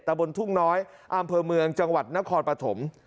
บนทุ่งน้อยอำเภอเมืองจังหวัดนครปฐม